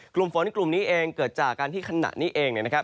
กลุ่มฝนกลุ่มนี้เองเกิดจากการที่ขณะนี้เองเนี่ยนะครับ